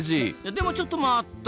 でもちょっと待った！